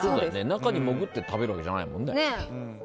中に潜って食べるわけじゃないもんね。